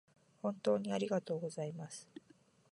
本当にありがとうございます